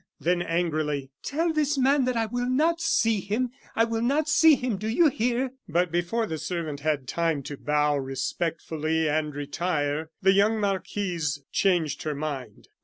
Then angrily: "Tell this man that I will not see him, I will not see him, do you hear?" But before the servant had time to bow respectfully and retire, the young marquise changed her mind.